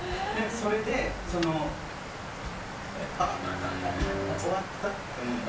それで「あっ終わった」って思って。